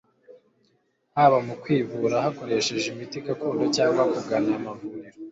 haba mu kwivura bakoresheje imiti gakondo cyangwa kugana amavuriro